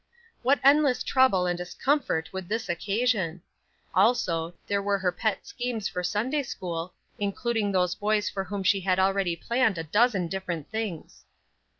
What endless trouble and discomfort would this occasion! Also, there were her pet schemes for Sunday school, including those boys for whom she had already planned a dozen different things.